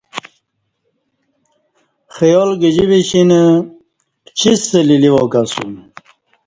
خیال گجی وشینہ پچیڅ سہ لیلیواک اسوم